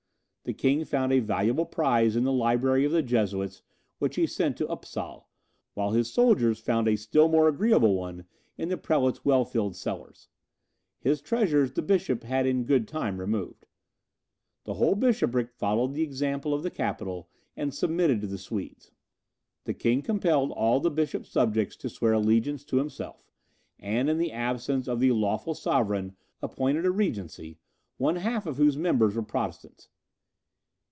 The king found a valuable prize in the library of the Jesuits, which he sent to Upsal, while his soldiers found a still more agreeable one in the prelate's well filled cellars; his treasures the bishop had in good time removed. The whole bishopric followed the example of the capital, and submitted to the Swedes. The king compelled all the bishop's subjects to swear allegiance to himself; and, in the absence of the lawful sovereign, appointed a regency, one half of whose members were Protestants.